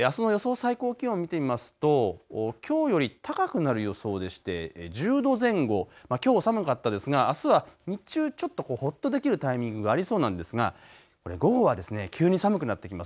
最高気温、見てみますときょうより高くなる予想でして１０度前後、きょうは寒かったですがあすは日中ちょっとほっとできるタイミングがありそうなんですが、午後は急に寒くなってきます。